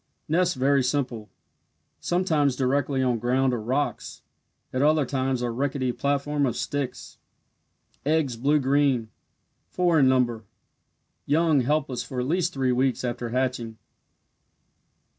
Nest very simple sometimes directly on ground or rocks at other times a rickety platform of sticks. Eggs blue green four in number young helpless for at least three weeks after hatching.